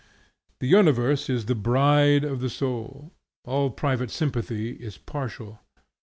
The universe is the bride of the soul. All private sympathy is partial.